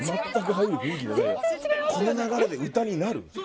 この流れで歌になる？